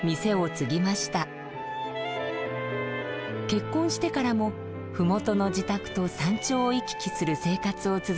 結婚してからも麓の自宅と山頂を行き来する生活を続けます。